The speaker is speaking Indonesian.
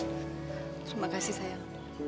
terima kasih sayang